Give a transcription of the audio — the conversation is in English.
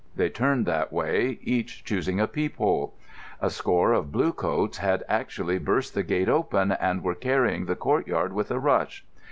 They turned that way, each choosing a peephole. A score of blue coats had actually burst the gate open, and were carrying the courtyard with a rush.